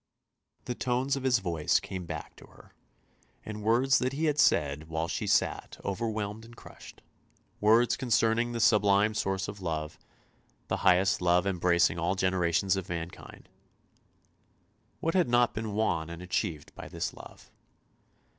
The tones of his voice came back to her, and words that he had said while she sat over whelmed and crushed — words concerning the sublime source of love, the highest love embracing all generations of mankind. What had not been won and achieved by this love?